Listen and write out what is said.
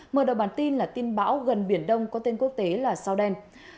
mở đầu bản tin là tin bão gần biển đông có tên quốc tế là sao đen